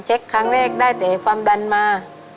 ครั้งแรกได้แต่ความดันมา